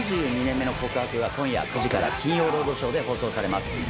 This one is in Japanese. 『２２年目の告白』が今夜９時から『金曜ロードショー』で放送されます。